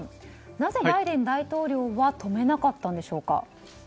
なぜバイデン大統領は止めなかったんでしょうか。